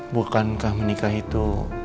bukankah menikah itu